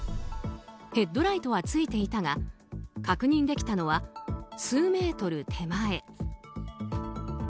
ヘッドライトはついていたが確認できたのは数メートル手前。